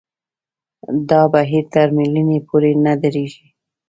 دا بهیر تر مړینې پورې نه درېږي.